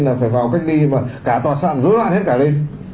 là phải vào cách ly cả tòa sạn rối loạn hết cả lên